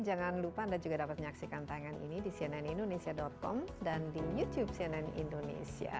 jangan lupa anda juga dapat menyaksikan tangan ini di cnnindonesia com dan di youtube cnn indonesia